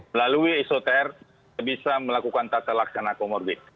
melalui isoter kita bisa melakukan tata laksana komorbid